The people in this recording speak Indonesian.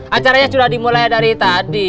acaranya sudah dimulai dari tadi